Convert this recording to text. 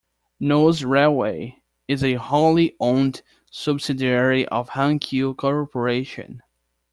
Nose Railway is a wholly owned subsidiary of Hankyu Corporation.